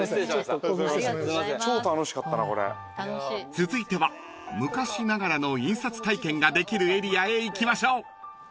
［続いては昔ながらの印刷体験ができるエリアへ行きましょう］